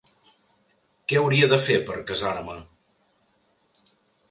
Que hauria de fer per casar-me?